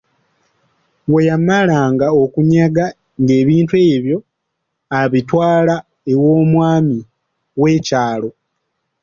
Bwe yamalanga okunyaga ng’ebintu ebyo abitwala ew’omwami w’ekyalo.